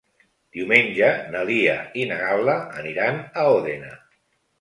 Diumenge na Lia i na Gal·la aniran a Òdena.